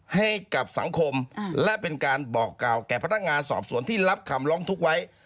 ให้กับสังคมและเป็นการบอกกล่าวแก่พนักงานสอบสวนที่รับคำร้องทุกข์ไว้